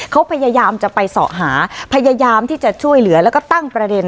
เขาพยายามจะไปเสาะหาพยายามที่จะช่วยเหลือแล้วก็ตั้งประเด็น